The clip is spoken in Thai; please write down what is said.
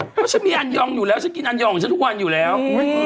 เพราะฉันมีอันยองอยู่แล้วฉันกินอันยองฉันทุกวันอยู่แล้ว